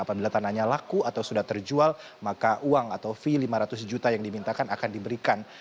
apabila tanahnya laku atau sudah terjual maka uang atau fee lima ratus juta yang dimintakan akan diberikan